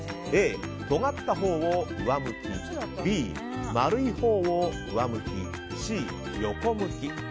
Ａ、とがったほうを上向きＢ、丸いほうを上向きＣ、横向き。